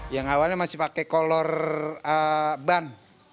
yang awalnya masih pakai kolor ban